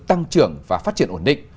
tăng trưởng và phát triển ổn định